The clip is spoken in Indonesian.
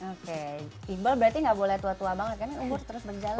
oke iqbal berarti nggak boleh tua tua banget karena umur terus berjalan